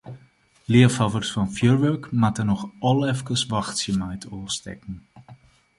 Leafhawwers fan fjurwurk moatte noch al efkes wachtsje mei it ôfstekken.